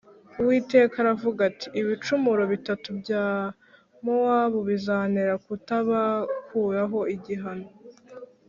Uwiteka aravuga ati “Ibicumuro bitatu bya Mowabu bizantera kutabakuraho igihano